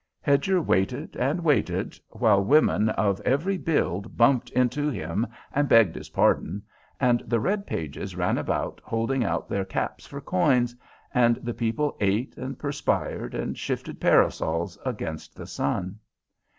Hedger waited and waited, while women of every build bumped into him and begged his pardon, and the red pages ran about holding out their caps for coins, and the people ate and perspired and shifted parasols against the sun.